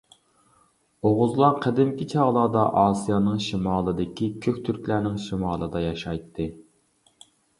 ئوغۇزلار قەدىمكى چاغلاردا ئاسىيانىڭ شىمالىدىكى، كۆك تۈركلەرنىڭ شىمالىدا ياشايتتى.